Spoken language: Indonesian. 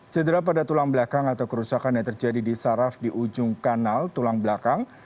cedera pada tulang belakang atau kerusakan yang terjadi di saraf di ujung kanal tulang belakang